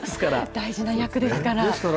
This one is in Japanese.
大事な役ですから。